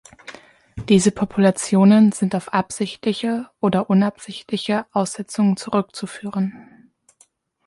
Diese Populationen sind auf absichtliche oder unabsichtliche Aussetzungen zurückzuführen.